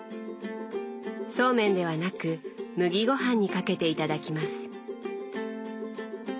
そうめんではなく麦ごはんにかけていただきます。